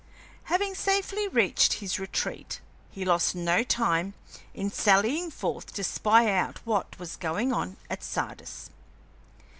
Having safely reached his retreat, he lost no time in sallying forth to spy out what was going on at Sardis.